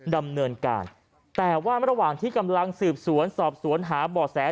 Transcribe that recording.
ดำเนินการแต่ว่าระหว่างที่กำลังสืบสวนสอบสวนหาบ่อแส